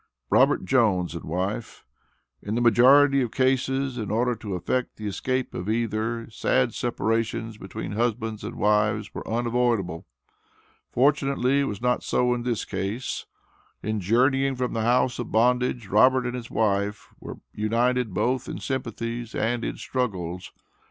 Robert Jones and wife: In the majority of cases, in order to effect the escape of either, sad separations between husbands and wives were unavoidable. Fortunately, it was not so in this case. In journeying from the house of bondage, Robert and his wife were united both in sympathies and in struggles.